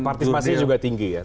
partisipasi juga tinggi ya